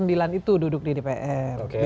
pengadilan itu duduk di dpr